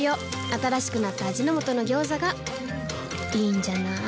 新しくなった味の素の「ギョーザ」がいいんじゃない？